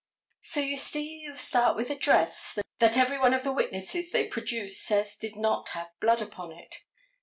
So you see you start with a dress that every one of the witnesses they produced says did not have blood upon it.